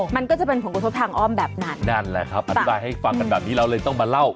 มันก็จะเป็นผลกระทบทางอ้อมแบบนั้นนั่นแหละครับอธิบายให้ฟังกันแบบนี้เราเลยต้องมาเล่า